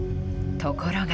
ところが。